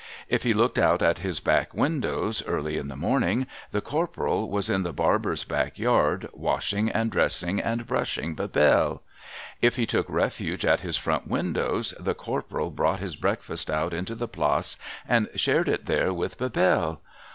If he looked out at his back windows early in the morning, the Corporal was in the Barber's back yard, washing and dressing and brushing Bebelle. If he took refuge at his front windows, the Corporal brought his breakfast out into the Place, and shared it there with Bebelle.